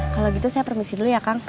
kalau gitu saya permisin dulu ya kang